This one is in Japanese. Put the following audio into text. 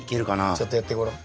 ちょっとやってごらん。